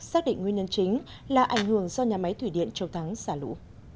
xác định nguyên nhân chính là ảnh hưởng do nhà máy thủy điện châu thắng xả lũ